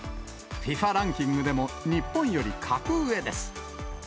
ＦＩＦＡランキングでも日本より格上です。